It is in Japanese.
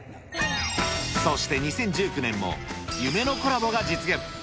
そして２０１９年も、夢のコラボが実現。